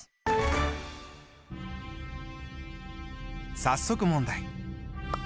早速問題。